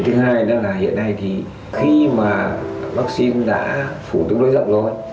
thứ hai nữa là hiện nay thì khi mà vaccine đã phủ tương đối rộng rồi